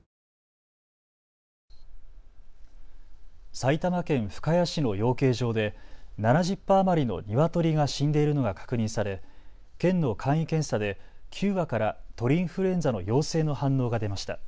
埼玉県深谷市の養鶏場で７０羽余りのニワトリが死んでいるのが確認され県の簡易検査で９羽から鳥インフルエンザの陽性の反応が出ました。